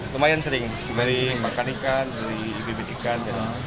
lumayan sering beli makan ikan beli bibit ikan